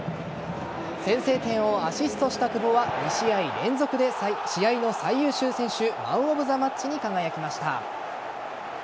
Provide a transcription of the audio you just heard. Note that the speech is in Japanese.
先制点をアシストした久保は２試合連続で試合の最優秀選手マン・オブ・ザ・マッチに輝きました。